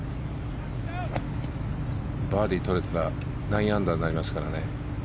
バーディーを取れたら９アンダーになりますからね。